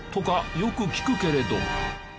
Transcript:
よく聞くけれど。